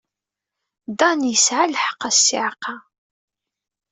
Dan yesɛa lḥeqq, a ssiɛqa.